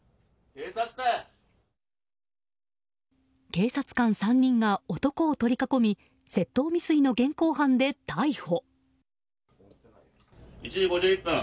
警察官３人が男を取り囲み窃盗未遂の現行犯で逮捕。